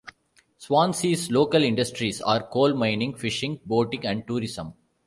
Swansea's local industries are coal mining, fishing, boating, and tourism.